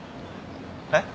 えっ？